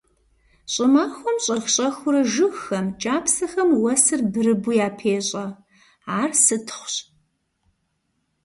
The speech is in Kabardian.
Щӏымахуэм щӏэх-щӏэхыурэ жыгхэм, кӏапсэхэм уэсыр бырыбу япещӏэ, ар сытхъущ.